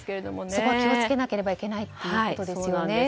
そこは気を付けなければいけないということですね。